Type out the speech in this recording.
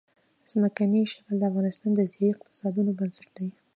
ځمکنی شکل د افغانستان د ځایي اقتصادونو بنسټ دی.